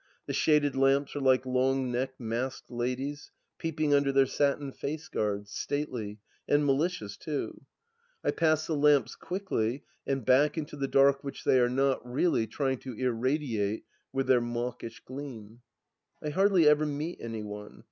The shaded lamps are like long necked, masked ladies, peeping under their satin face guards, sitately— and malicious too. I pass the lamps quickly, . and back into the dark which they are not, really, trying to irradiate with their mawkish gleam. ... I hardly ever meet any one.